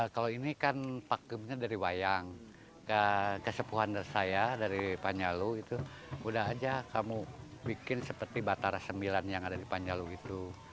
kalau ini kan pakemnya dari wayang kesepuhan dari saya dari panjalu itu udah aja kamu bikin seperti batara sembilan yang ada di panjalu gitu